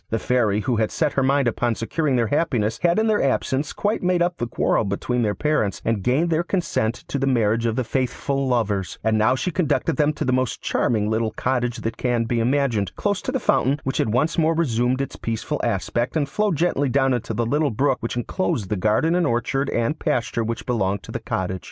The Fairy, who had set her mind upon securing their happiness, had in their absence quite made up the quarrel between their parents, and gained their consent to the marriage of the faithful lovers; and now she conducted them to the most charming little cottage that can be imagined, close to the fountain, which had once more resumed its peaceful aspect, and flowed gently down into the little brook which enclosed the garden and orchard and pasture which belonged to the cottage.